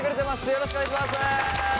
よろしくお願いします！